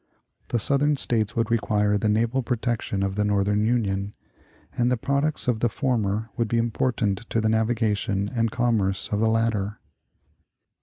The Southern States would require the naval protection of the Northern Union, and the products of the former would be important to the navigation and commerce of the latter....